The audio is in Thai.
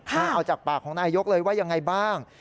เอาจากปากของนายยกเลยว่ายังไงบ้าง